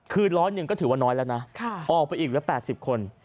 คือร้อยหนึ่งก็ถือว่าน้อยแล้วนะออกไปอีกละ๘๐คน